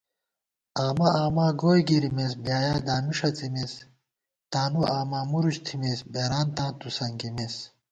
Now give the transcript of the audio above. آمہ آما گوئی گِرَمېس بۡلیایا دامی ݭڅِمېس * تانُوآما مُرُچ تھِمېس بېرانتاں تُوسنکِمېس